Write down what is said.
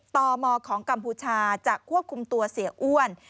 ตมของกัมพูชาจะควบคุมตัวเสียอ้วน